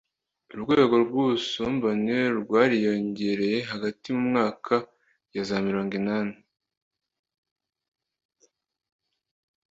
urwego ry'ubusumbane rwariyongereye hagati mu myaka ya za mirongo inani,